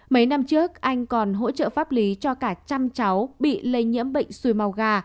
mấy năm trước anh còn hỗ trợ pháp lý cho cả trăm cháu bị lây nhiễm bệnh xui màu gà